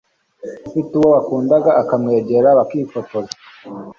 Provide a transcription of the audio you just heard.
Ufite uwo bakundana akamwegera bakifotoza